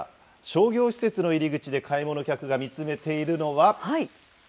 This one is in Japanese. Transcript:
商業施設の入り口で買い物客が見つめているのは。